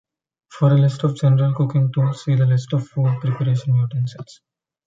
For a list of general cooking tools see the list of food preparation utensils.